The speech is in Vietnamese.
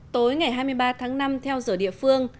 tối ngày hai mươi ba tháng năm theo giờ địa phương